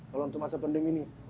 kalau untuk masa pending ini